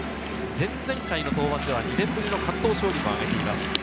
前々回の登板では２年ぶりの完投勝利もあげています。